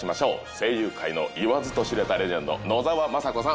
声優界の言わずと知れたレジェンド野沢雅子さん